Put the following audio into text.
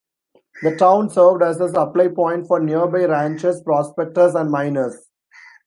The town served as a supply point for nearby ranchers, prospectors, and miners.